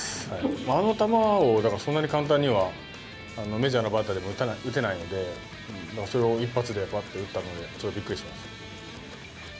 あの球を、そんなに簡単にはメジャーのバッターでも打てないんで、それを一発でばっと打ったので、ちょっとびっくりしました。